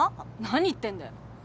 何言ってんだよ。